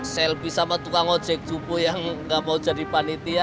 selvi sama tukang ojek jubo yang gak mau jadi panitia